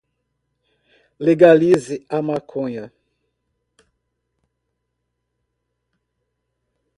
Legalize a maconha